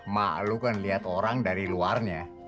mak lo kan liat orang dari luarnya